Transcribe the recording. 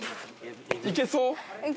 いけそう？